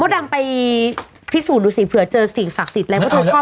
อ่ะโมดำไปพิสูจน์ดูสิเผื่อเจอสิ่งศักดิ์สิทธิ์อะไรเพราะเธอชอบไปไหว้ด้วย